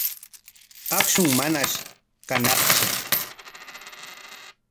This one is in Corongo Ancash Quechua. Akshun manash kañaqtsu.